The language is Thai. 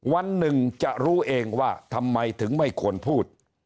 วันหนึ่งจะรู้เองว่าทำไมถึงไม่ควรพูด